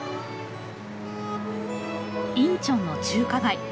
インチョンの中華街。